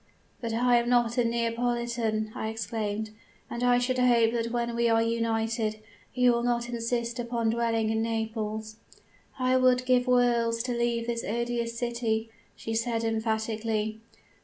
"'But I am not a Neapolitan,' I exclaimed; 'and I should hope that when we are united, you will not insist upon dwelling in Naples.' "'I would give worlds to leave this odious city,' she said, emphatically.